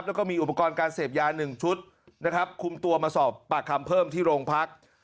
แล้วก็มีอุปกรณ์การเสพยา๑ชุดนะครับคุมตัวมาสอบปากคำเพิ่มที่โรงพัก